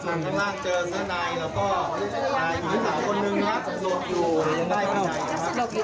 คำนวณเจอยังไหมครับคำนวณเจอยังไหมครับคำนวณเจอเสื้อในแล้วก็